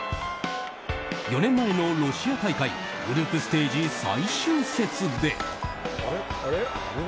４年前のロシア大会グループステージ最終節で。